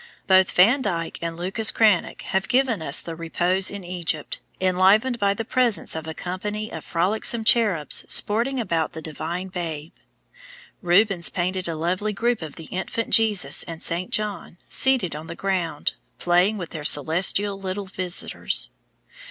Both Van Dyck and Lucas Cranach have given us the Repose in Egypt, enlivened by the presence of a company of frolicsome cherubs sporting about the Divine Babe. Rubens painted a lovely group of the Infant Jesus and Saint John, seated on the ground, playing with their celestial little visitors.